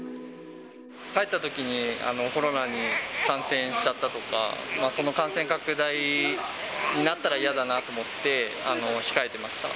帰ったときにコロナに感染しちゃったとか、その感染拡大になったら嫌だなと思って、控えてました。